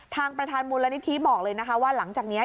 ทางประธานบุรณิฐริบอกเลยนะคะว่าหลังจากนี้